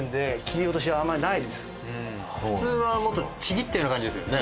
普通はもっとちぎったような感じですよね。